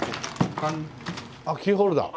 あっキーホルダー。